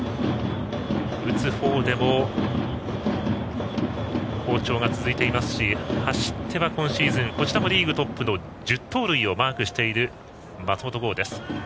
打つほうでも好調が続いていますし走っては今シーズンこちらもリーグトップの１０盗塁をマークしている松本剛です。